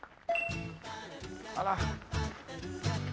あら。